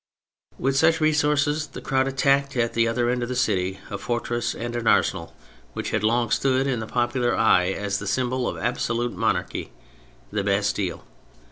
With such resources the crowd attacked, at the other end of the city, a fortress and arsenal which had long stood in the popular eye as the symbol of absolute monarchy, the Bastille.